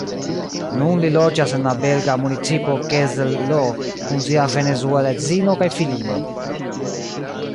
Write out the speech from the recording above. Nun li loĝas en la belga municipo Kessel-Lo kun sia venezuela edzino kaj filino.